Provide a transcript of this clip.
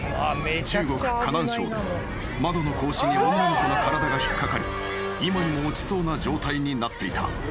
［中国河南省で窓の格子に女の子の体が引っ掛かり今にも落ちそうな状態になっていた］